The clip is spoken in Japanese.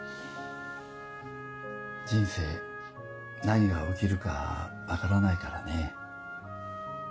人生何が起きるか分からないからね。